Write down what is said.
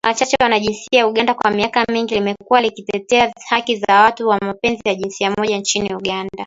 Shirika la Wachache Wanajinsia Uganda kwa miaka mingi limekuwa likitetea haki za watu wa mapenzi ya jinsia moja nchini Uganda.